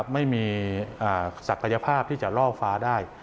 ไม่มีศักยภาพที่จะล่อฟ้าได้